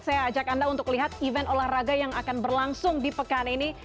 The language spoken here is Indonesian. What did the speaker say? saya ajak anda untuk lihat event olahraga yang akan berlangsung di pekan ini